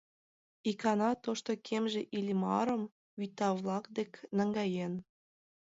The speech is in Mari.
Икана тошто кемже Иллимарым вӱта-влак дек наҥгаен.